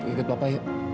ikut papa yuk